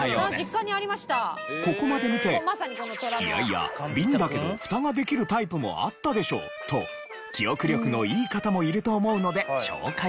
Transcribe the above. ここまで見て「いやいや瓶だけど蓋ができるタイプもあったでしょ！」と記憶力のいい方もいると思うので紹介すると。